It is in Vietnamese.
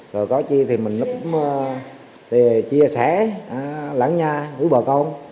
rồi có chi thì mình cũng chia sẻ lẳng nha với bà con